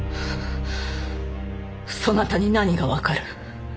そなたに何が分かる？